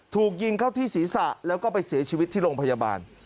ถูกยิงเข้าที่ศีรษะแล้วก็ไปเสียชีวิตที่โรงพยาบาล